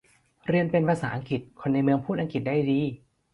เรียนเป็นภาษาอังกฤษ คนในเมืองพูดอังกฤษได้ดี